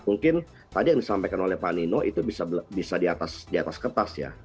mungkin tadi yang disampaikan oleh pak nino itu bisa di atas kertas ya